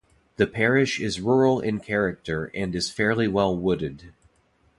The parish is rural in character and is fairly well wooded.